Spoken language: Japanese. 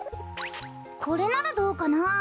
これならどうかなあ？